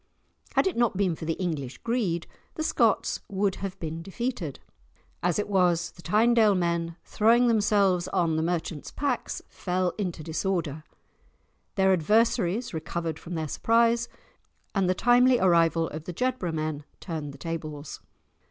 Had it not been for the English greed, the Scots would have been defeated. As it was, the Tynedale men, throwing themselves on the merchants' packs, fell into disorder, their adversaries recovered from their surprise, and the timely arrival of the Jedburgh men turned the tables.